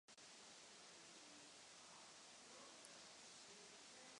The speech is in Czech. Měli by být mladí, nezletilí zločinci popravováni, nebo vzděláváni?